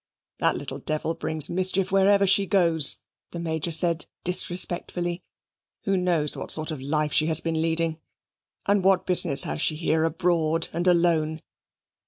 "That little devil brings mischief wherever she goes," the Major said disrespectfully. "Who knows what sort of life she has been leading? And what business has she here abroad and alone?